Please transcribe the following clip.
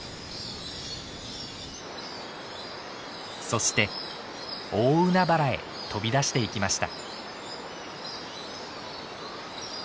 そして大海原へ飛び出していきました。